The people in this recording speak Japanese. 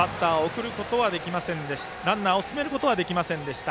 ランナーを進めることはできませんでした。